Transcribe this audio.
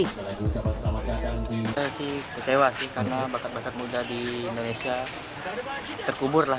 tersebut sama kaya gini sih kecewa sih karena bakat bakat muda di indonesia terkubur lah